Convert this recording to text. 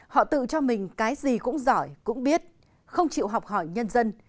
họ tự cho mình cái gì cũng giỏi cũng biết không chịu học hỏi nhân dân